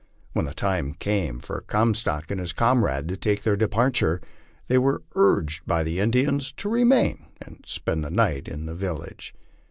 When the time came for Comstock and his comrade to take their departure, they were urged by the Indians to remain and spend the night in the village.